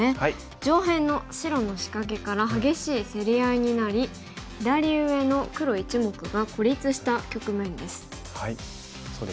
上辺の白の仕掛けから激しい競り合いになり左上の黒１目が孤立した局面です。